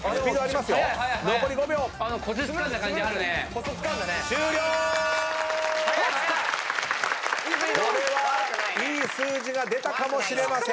これはいい数字が出たかもしれません。